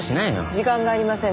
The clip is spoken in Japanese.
時間がありません。